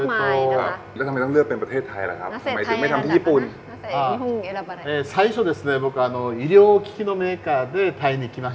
แล้วทำไมต้องเลือกเป็นประเทศไทยล่ะครับทำไมถึงไม่ทำที่ญี่ปุ่น